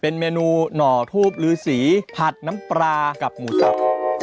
เป็นเมนูหน่อทูบลือสีผัดน้ำปลากับหมูสับ